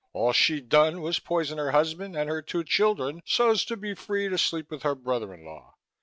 All she'd done was poison her husband and her two children so's to be free to sleep with her brother in law.